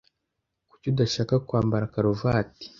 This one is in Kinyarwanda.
Kuki udashaka kwambara karuvati?